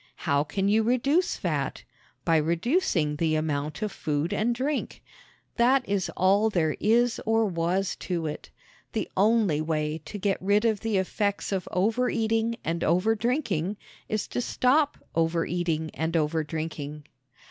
How can you reduce fat? By reducing the amount of food and drink that is all there is or was to it. The only way to get rid of the effects of overeating and overdrinking is to stop overeating and overdrinking.